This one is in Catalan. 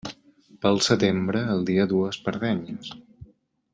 Pel setembre, el dia duu espardenyes.